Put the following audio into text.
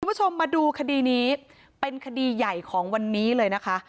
คุณผู้ชมมาดูคดีนี้เป็นคดีใหญ่ของวันนี้เลยนะคะ